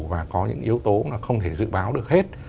và có những yếu tố mà không thể dự báo được hết